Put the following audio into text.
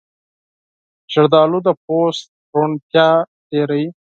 زردالو د پوست روڼتیا ډېروي.